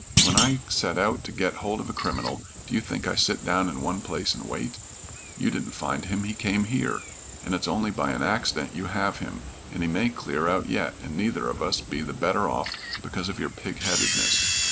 When I set out to get hold of a criminal, do you think I sit down in one place and wait? You didn't find him; he came here, and it's only by an accident you have him, and he may clear out yet, and neither of us be the better off because of your pig headedness.